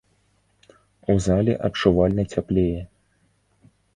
У зале адчувальна цяплее.